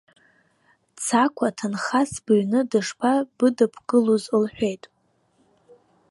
Цақәа ҭынхас быҩны дышԥабыдыбкылоз, лҳәеит.